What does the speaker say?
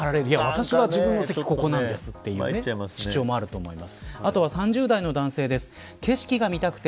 私は自分の席、ここなんですという主張もあると思います。